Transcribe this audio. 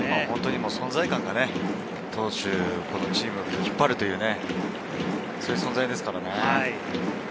存在感が投手がチームを引っ張る、そういう存在ですからね。